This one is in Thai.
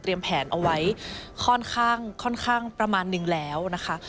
เตรียมแผนเอาไว้ค่อนข้างประมาณนึงแล้วนะคะ